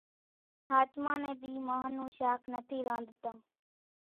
ۿاچمان ني ۮي مانۿ نون شاک نٿي رانڌتان